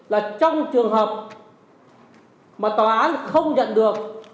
là trong trường hợp mà tòa án không nhận được